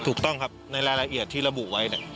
ถูกต้องครับในรายละเอียดที่ระบุไว้